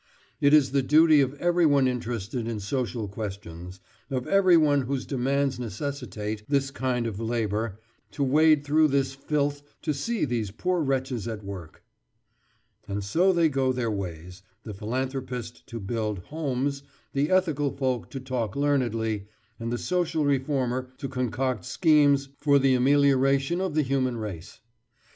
It is the duty of everyone interested in social questions, of everyone whose demands necessitate this kind of labour, to wade through this filth to see these poor wretches at work." Footnote 20: New Age, November 25, 1897. And so they go their ways, the philanthropist to build "homes," the ethical folk to talk learnedly, and the social reformer to concoct schemes for the amelioration of the human race.